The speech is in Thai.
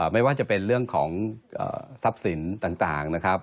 ไม่ว่าจะเป็นเรื่องของทรัพย์สินต่างนะครับ